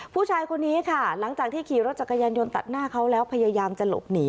ผู้ชายคนนี้ค่ะหลังจากที่ขี่รถจักรยานยนต์ตัดหน้าเขาแล้วพยายามจะหลบหนี